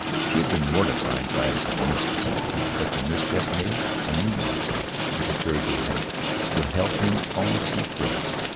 She had been mortified by the misstep, but the misstep made, only one thought had occurred to her to help him all she could.